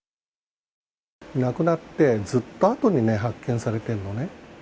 亡くなって、ずっとあとにね、発見されてるのね。